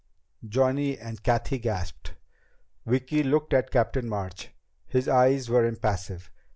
Johnny and Cathy gasped. Vicki looked at Captain March. His eyes were impassive.